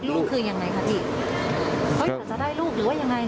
ลูกคือยังไงคะพี่เขาอยากจะได้ลูกหรือว่ายังไง